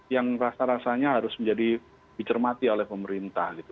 yang rasa rasanya harus menjadi dicermati oleh pemerintah gitu